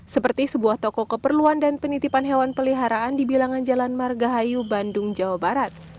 seperti sebuah toko keperluan dan penitipan hewan peliharaan di bilangan jalan margahayu bandung jawa barat